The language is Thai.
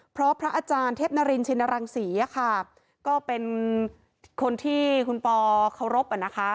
เพราะพระอาจารย์เทพนรินชินรังศรีอะค่ะก็เป็นคนที่คุณปอเคารพอ่ะนะคะ